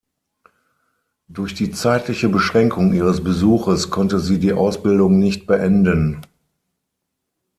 Durch die zeitliche Beschränkung ihres Besuches konnte sie die Ausbildung nicht beenden.